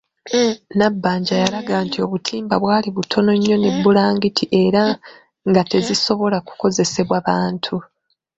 Nabbanja yalaga nti obutimba bwali butono nnyo ne bulangiti era nga tezisobola kukozesebwa bantu.